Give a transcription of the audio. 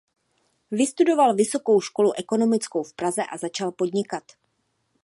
Vystudoval Vysokou školu ekonomickou v Praze a začal podnikat.